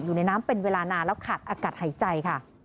อยู่ในน้ำเป็นเวลานานแล้วขาดอากาศหายใจค่ะ